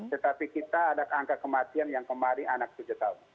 tetapi kita ada angka kematian yang kemarin anak tujuh tahun